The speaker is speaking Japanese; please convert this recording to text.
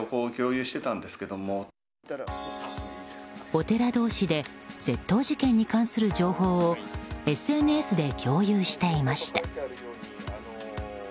お寺同士で窃盗事件に関する情報をＳＮＳで共有していました。